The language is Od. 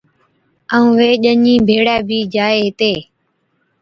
ائُون وي ڄَڃِي ڀيڙي بِي جائي ھِتي